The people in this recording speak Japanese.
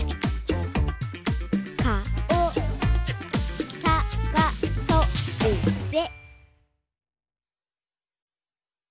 「かおさがそうぜ」